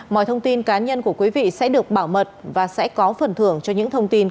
mọi thông tin cá nhân của quý vị sẽ được bảo mật và sẽ có phần thưởng cho những thông tin